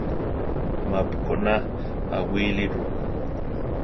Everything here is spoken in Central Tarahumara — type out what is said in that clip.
Ma-pu koná aʼwíli ru.